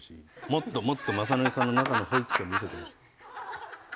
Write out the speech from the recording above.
もっともっと雅紀さんの中の保育士を見せてほしい。